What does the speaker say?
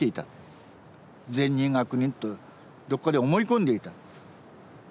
善人悪人とどっかで思い込んでいた。